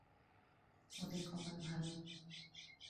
ওদের কপাল ভালো।